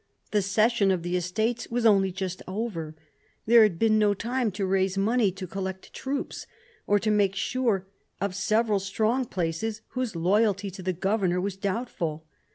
The session of the Estates was only just over; there had been no time to raise money, to collect troops, or to make sure of several strong places whose loyalty to the governor was doubtful.